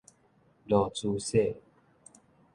落珠雪